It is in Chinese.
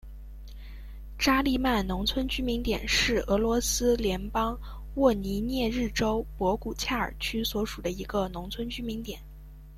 扎利曼农村居民点是俄罗斯联邦沃罗涅日州博古恰尔区所属的一个农村居民点。